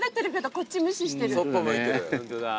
そっぽ向いてる。